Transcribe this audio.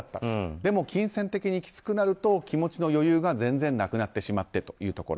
でも金銭的にきつくなると気持ちの余裕が全然なくなってしまってというところ。